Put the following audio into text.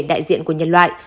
đại diện của nhân loại